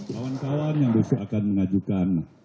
kawan kawan yang besok akan mengajukan